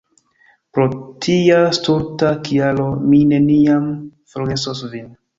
Pro tia stulta kialo mi neniam forgesos vin!